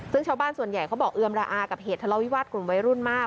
ซึ่งชาวบ้านส่วนใหญ่เขาบอกเอือมระอากับเหตุทะเลาวิวาสกลุ่มวัยรุ่นมาก